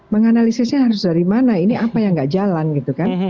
menganalisisnya harus dari mana ini apa yang nggak jalan gitu kan